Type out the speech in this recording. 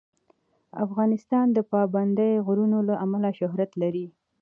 افغانستان د پابندی غرونه له امله شهرت لري.